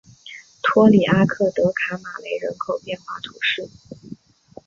托里阿克德卡马雷人口变化图示